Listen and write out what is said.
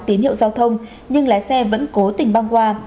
tín hiệu giao thông nhưng lái xe vẫn cố tình băng qua